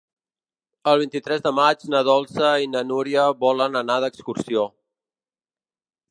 El vint-i-tres de maig na Dolça i na Núria volen anar d'excursió.